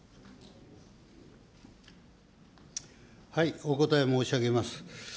お答え申し上げます。